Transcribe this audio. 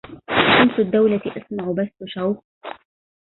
أشمس الدولة اسمع بث شوق